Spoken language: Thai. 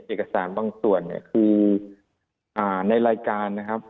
เอกสารบางส่วนเนี่ยคือในรายการนะครับ